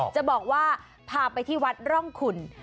จะบอกว่าพาไปที่วัดร่องขุน